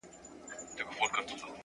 ماجبیني د مهدي حسن آهنګ یم ـ